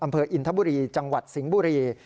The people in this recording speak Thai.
อำเภออินทบุรีจังหวัดสิงห์บุรี